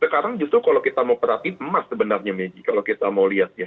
sekarang justru kalau kita mau perhatiin emas sebenarnya maggie kalau kita mau lihat ya